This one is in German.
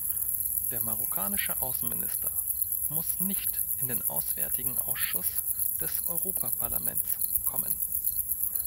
Der marokkanische Außenminister muss nicht in den Auswärtigen Ausschuss des Europaparlaments kommen.